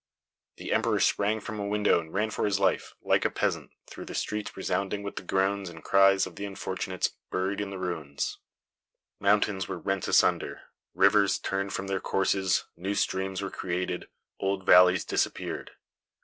The Emperor sprang from a window and ran for his life, like a peasant, through the streets resounding with the groans and cries of the unfortunates buried in the ruins. Mountains were rent asunder, rivers turned from their courses, new streams were created, old valleys disappeared.